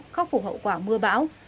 khóc phủ hậu quả mưa bão